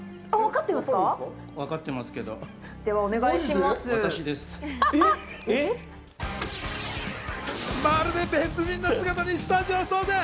まるで別人の姿にスタジオ騒然！